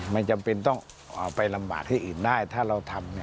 มันจำเป็นต้องไปลำบากที่อื่นได้ถ้าเราทำ